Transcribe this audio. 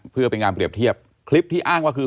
เพื่อเป็นการเปรียบเทียบคลิปที่อ้างว่าคือ